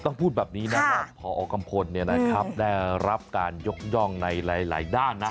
ต้องพูดแบบนี้นะว่าพอกัมพลได้รับการยกย่องในหลายด้านนะ